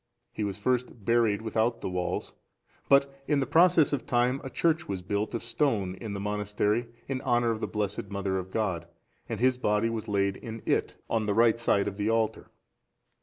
He was first buried without the walls; but in the process of time a church was built of stone in the monastery, in honour of the Blessed Mother of God, and his body was laid in it, on the right side of the altar.